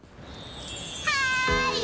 はい！